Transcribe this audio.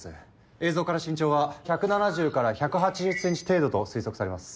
映像から身長は１７０から１８０ｃｍ程度と推測されます。